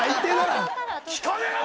聞かねえよ！